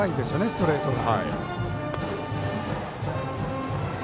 ストレートが。